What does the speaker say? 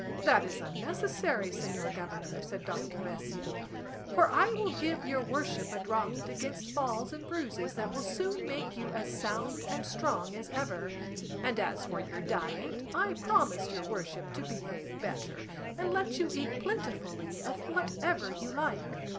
"That is unnecessary, señor governor," said Doctor Recio, "for I will give your worship a draught against falls and bruises that will soon make you as sound and strong as ever; and as for your diet I promise your worship to behave better, and let you eat plentifully of whatever you like."